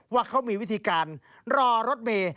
ว่าเขามีวิธีการรอรถเมย์